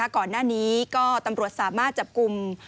ก่อนหน้านี้ก็ตำรวจสามารถจับกลุ่ม